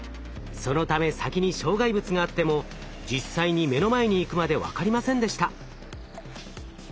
そのため先に障害物があっても実際に目の前に行くまで分かりませんでした。